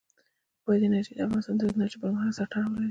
بادي انرژي د افغانستان د تکنالوژۍ پرمختګ سره تړاو لري.